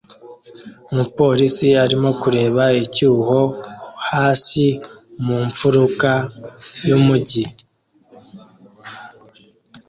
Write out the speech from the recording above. Umupolisi arimo kureba icyuho hasi mu mfuruka y'umujyi